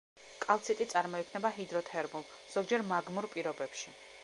კალციტი წარმოიქმნება ჰიდროთერმულ, ზოგჯერ მაგმურ პირობებში.